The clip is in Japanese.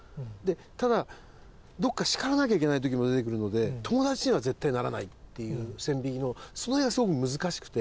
ただどこか叱らなきゃいけない時も出てくるので友達には絶対ならないっていう線引きのその辺がすごく難しくて。